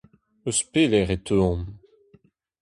Eus pelec'h e teuomp ?